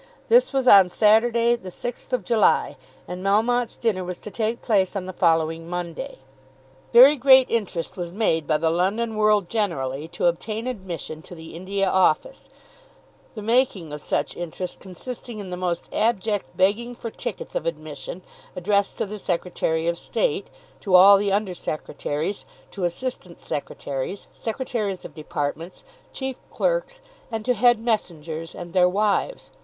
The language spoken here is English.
This was on Saturday the 6th of July, and Melmotte's dinner was to take place on the following Monday. Very great interest was made by the London world generally to obtain admission to the India Office, the making of such interest consisting in the most abject begging for tickets of admission, addressed to the Secretary of State, to all the under secretaries, to assistant secretaries, secretaries of departments, chief clerks, and to head messengers and their wives.